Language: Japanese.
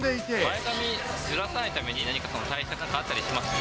前髪、ずらさないために、何か対策があったりします？